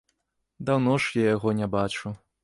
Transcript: Даўно ж я яго не бачыў.